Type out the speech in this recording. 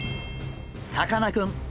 「さかなクン！」。